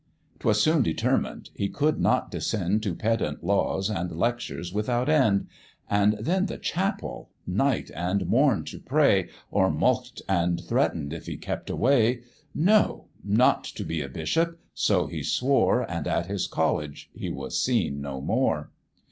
'Twas soon determined He could not descend To pedant laws and lectures without end; And then the chapel night and morn to pray, Or mulct and threaten'd if he kept away; No! not to be a bishop so he swore, And at his college he was seen no more.